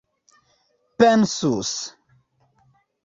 pensus